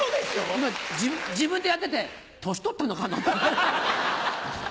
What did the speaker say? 今自分でやってて年取ったのかな？と。